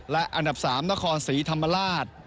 และอันดับ๓นครศรีธรรมราช